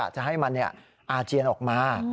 จะให้มันอาเจียนออกมา